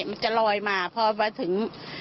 มันจะลอยมาพอมาถึง